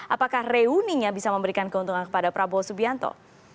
apakah reuninya bisa memberikan keuntungan kepada prabowo subianto